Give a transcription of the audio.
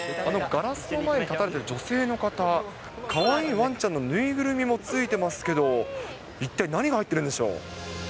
ガラスの前に立たれている女性の方、かわいいわんちゃんの縫いぐるみもついてますけど、一体何が入ってるんでしょう？